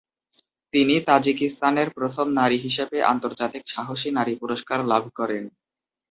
তিনি তাজিকিস্তানের প্রথম নারী হিসেবে আন্তর্জাতিক সাহসী নারী পুরস্কার লাভ করেন।